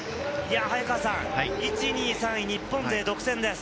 早川さん、１、２、３位、日本勢独占です。